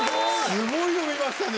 すごいの見ましたね